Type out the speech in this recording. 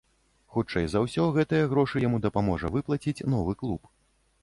Хутчэй за ўсё, гэтыя грошы яму дапаможа выплаціць новы клуб.